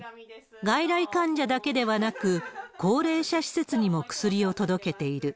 外来患者だけではなく、高齢者施設にも薬を届けている。